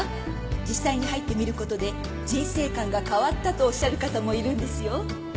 実際に入ってみる事で人生観が変わったとおっしゃる方もいるんですよ。